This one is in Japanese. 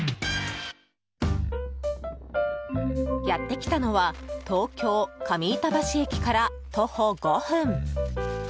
やってきたのは東京・上板橋駅から徒歩５分。